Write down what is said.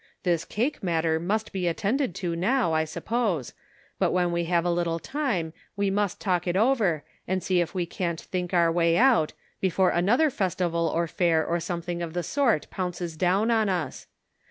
This cake matter must be attended to now, I sup pose, but when we have a little time we must talk it over, and see if we can't think our way out, before another festival or fair or some thing of the sort pounces down on us.